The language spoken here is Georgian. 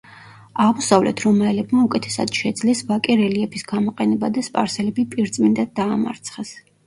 აღმოსავლეთ რომაელებმა უკეთესად შეძლეს ვაკე რელიეფის გამოყენება და სპარსელები პირწმინდად დაამარცხეს.